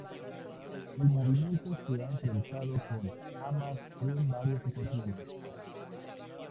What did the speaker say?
El movimiento se ha enfrentado con Hamás en varias ocasiones.